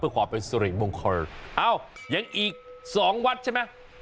เพื่อปล่อยไปสุเรกมงค์โคนะคะอ้าวอย่างอีกสองวัดใช่ไหม